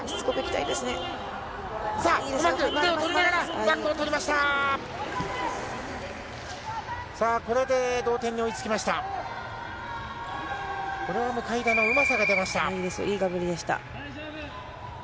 いいがぶりでした。